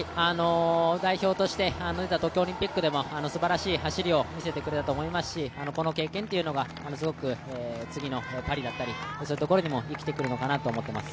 代表として出た東京オリンピックでもすばらしい走りを見せてくれたと思いますしこの経験というのがすごく次のパリだったりそういうところにも生きてくるのかなと思います。